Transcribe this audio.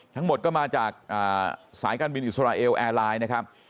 ทั้งหมดก็มาจากสายการบินอิสราเอลแอร์ไลน์นะครับ